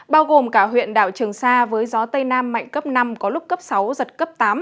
bao gồm cả huyện đảo trường sa với gió tây nam mạnh cấp năm có lúc cấp sáu giật cấp tám